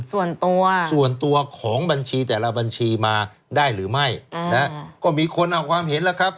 ส่วนตัวส่วนตัวของบัญชีแต่ละบัญชีมาได้หรือไม่นะฮะก็มีคนเอาความเห็นแล้วครับ